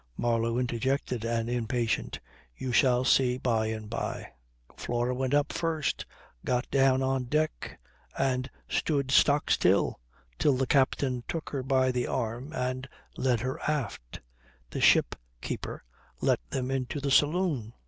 Marlow interjected an impatient: "You shall see by and by ... Flora went up first, got down on deck and stood stock still till the captain took her by the arm and led her aft. The ship keeper let them into the saloon.